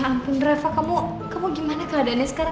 ya ampun reva kamu gimana keadaannya sekarang